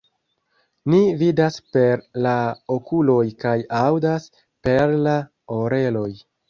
Ni vidas per la okuloj kaj aŭdas perla oreloj.